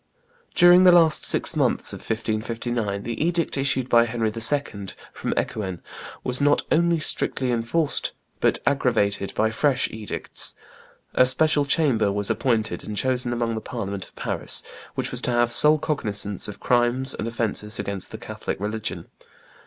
During the last six months of 1559 the edict issued by Henry II. from Ecouen was not only strictly enforced, but aggravated by fresh edicts; a special chamber was appointed and chosen amongst the Parliament of Paris, which was to have sole cognizance of crimes and offences against the Catholic religion.